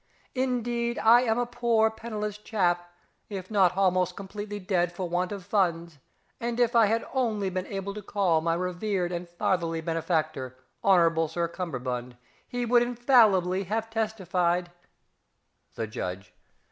Indeed, I am a poor penniless chap, if not almost completely dead for want of funds, and if I had only been able to call my revered and fatherly benefactor, Hon'ble Sir CUMMERBUND, he would infallibly have testified _The Judge.